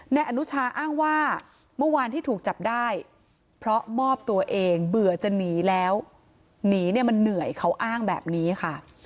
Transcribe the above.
นายอนุชาอ้างว่าเมื่อวานที่ถูกจับได้เพราะมอบตัวเองเบื่อจะหนีแล้วหนีเนี่ยมันเหนื่อยเขาอ้างแบบนี้ค่ะ